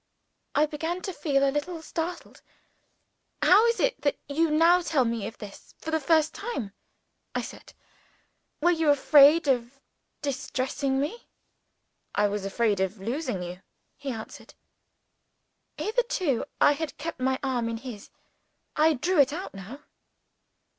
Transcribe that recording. I began to feel a little startled. "How is it that you now tell me of this for the first time?" I said. "Were you afraid of distressing me?" "I was afraid of losing you," he answered. Hitherto, I had kept my arm in his. I drew it out now.